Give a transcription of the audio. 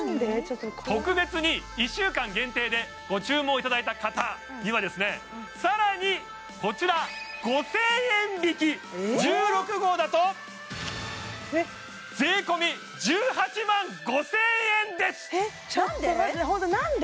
特別に１週間限定でご注文いただいた方にはさらにこちら５０００円引き１６号だと税込ちょっと待ってホント何で？